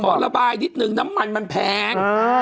ระบายนิดนึงน้ำมันมันแพง